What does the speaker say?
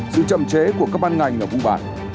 sự chậm chế của các ban ngành ở vùng bản